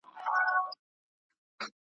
که نن نه وي جانانه سبا کلي ته درځمه `